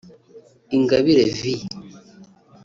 Ingabire V